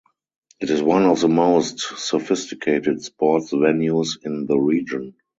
It is one of the most sophisticated sports venues in the region.